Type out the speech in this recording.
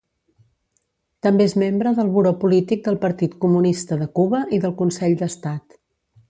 També és membre del Buró Polític del Partit Comunista de Cuba i del Consell d'Estat.